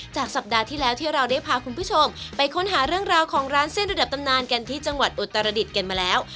สัปดาห์ที่แล้วที่เราได้พาคุณผู้ชมไปค้นหาเรื่องราวของร้านเส้นระดับตำนานกันที่จังหวัดอุตรดิษฐ์กันมาแล้ว